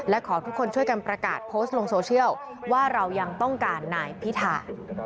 และขอทุกคนช่วยกันประกาศโพสต์ลงโซเชียลว่าเรายังต้องการนายพิธา